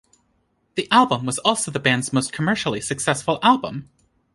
The album was also the band's most commercially successful album.